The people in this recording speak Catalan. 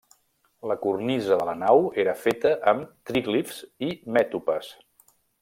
La cornisa de la nau era feta amb tríglifs i mètopes.